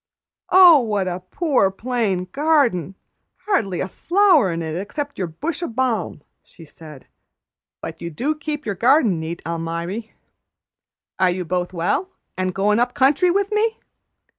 "Oh, what a poor, plain garden! Hardly a flower in it except your bush o' balm!" she said. "But you do keep your garden neat, Almiry. Are you both well, an' goin' up country with me?"